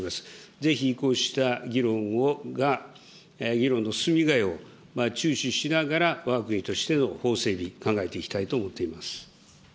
ぜひこうした議論の進み具合を注視しながら、わが国としての法整備、考えていきたいと思っています。